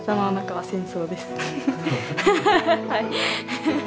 はい。